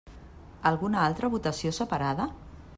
Alguna altra votació separada?